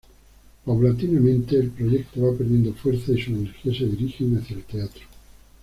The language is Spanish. Paulatinamente, el proyecto va perdiendo fuerza y sus energías se dirigen hacia el teatro.